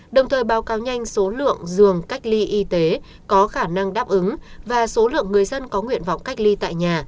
đồng thời báo cáo nhanh số lượng giường cách ly y tế có khả năng đáp ứng và số lượng người dân có nguyện vọng cách ly tại nhà